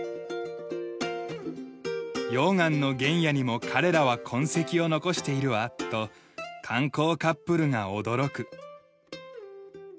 溶岩の原野にも彼らは痕跡を残しているわと観光カップルが驚く。